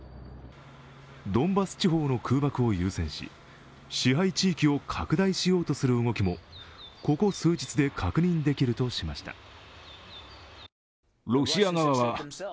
ドンバス地方の空爆を優先し支配地域を拡大しようとする動きもここ数日で確認できるとしました。